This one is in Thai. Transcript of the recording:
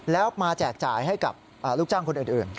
แล้วมาแจกจ่ายให้กับลูกจ้างคนอื่น